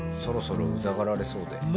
そろそろうざがられそうで。